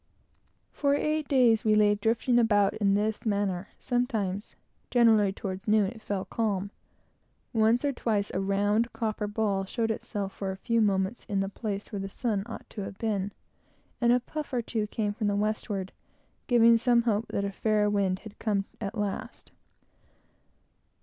For eight days we lay drifting about in this manner. Sometimes, generally towards noon, it fell calm; once or twice a round copper ball showed itself for a few moments in the place where the sun ought to have been; and a puff or two came from the westward, giving some hope that a fair wind had come at last.